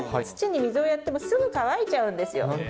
土に水をやっても、すぐ乾いちゃうんですよ。